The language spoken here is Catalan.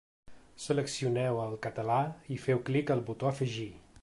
Seleccioneu el català i feu clic al botó “Afegir”.